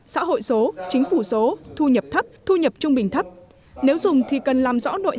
xã hội số chính phủ số thu nhập thấp thu nhập trung bình thấp nếu dùng thì cần làm rõ nội